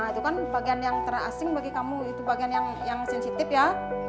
itu kan bagian yang terasing bagi kamu itu bagian yang sensitif ya